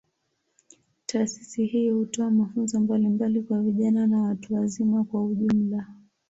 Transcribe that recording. Taasisi hii hutoa mafunzo mbalimbali kwa vijana na watu wazima kwa ujumla.